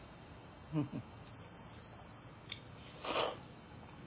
フフッ。